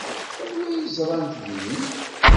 Anwa ay ẓrant din?